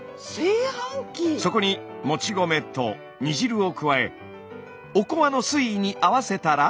そこにもち米と煮汁を加えおこわの水位に合わせたら。